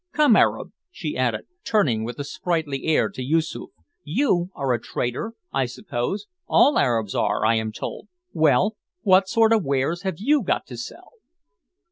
Come, Arab," she added, turning with a sprightly air to Yoosoof, "you are a trader, I suppose; all Arabs are, I am told. Well, what sort of wares have you got to sell?"